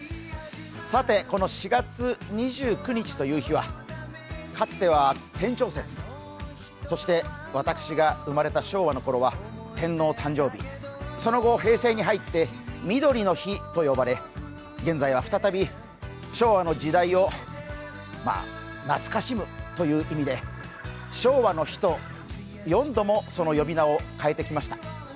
さて、この４月２９日という日は、かつては天長節、そして私が生まれた昭和の頃は天皇誕生日、その後、平成に入ってみどりの日と呼ばれ、現在は再び、昭和の時代を懐かしむという意味で、昭和の日と、４度もその呼び名を変えてきました。